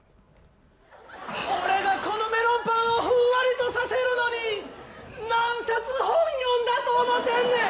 俺がこのメロンパンをふんわりとさせるのに何冊本読んだと思うてんねん！